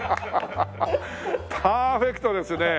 パーフェクトですね。